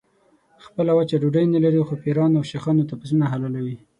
خپله وچه ډوډۍ نه لري خو پیرانو او شیخانو ته پسونه حلالوي.